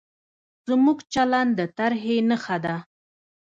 زموږ چلند د ترهې نښه ده.